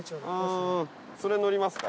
それ乗りますか。